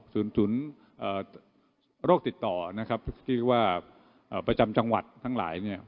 ศูนย์โรคติดต่อนะครับที่ว่าประจำจังหวัดทั้งหลายเนี่ย